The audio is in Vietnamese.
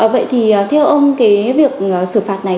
vậy thì theo ông cái việc xử phạt này